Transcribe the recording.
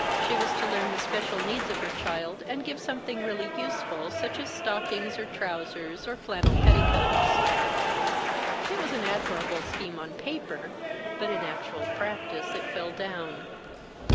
She was to learn the special needs of her child, and give something really useful, such as stockings or trousers or flannel petticoats. It was an admirable scheme on paper, but in actual practice it fell down.